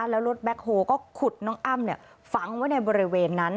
แล้วรถแบ็คโฮก็ขุดน้องอ้ำฝังไว้ในบริเวณนั้น